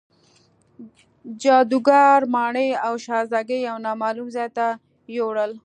جادوګر ماڼۍ او شهزادګۍ یو نامعلوم ځای ته یووړل.